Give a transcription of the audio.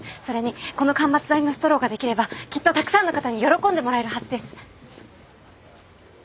それにこの間伐材のストローができればきっとたくさんの方に喜んでもらえるはずです。